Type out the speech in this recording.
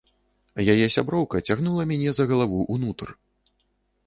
Яе сяброўка цягнула мяне за галаву ўнутр.